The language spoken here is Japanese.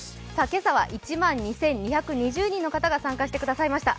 今朝は１万２２２０人の方が参加してくださいました。